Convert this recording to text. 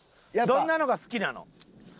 どんなのが好きなの？